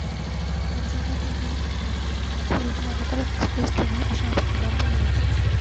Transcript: অনুসন্ধানকেন্দ্র সূত্রে জানা যায়, ঢাকা-দিনাজপুর রুটের একতা এক্সপ্রেস ট্রেনের অস্বাভাবিক বিলম্ব হয়েছে।